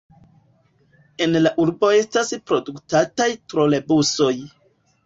En la urbo estas produktataj trolebusoj.